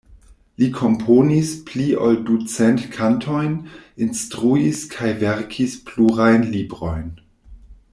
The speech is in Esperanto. Li komponis pli ol ducent kantojn, instruis kaj verkis plurajn librojn.